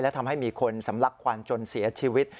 และทำให้มีคนสำลักควันจนเสียชีวิต